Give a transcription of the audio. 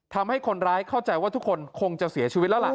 ทำให้คนร้ายเข้าใจว่าทุกคนคงจะเสียชีวิตแล้วล่ะ